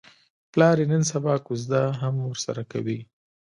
پلار یې نن سبا کوزده هم ورسره کوي.